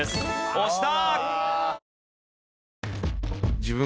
押した！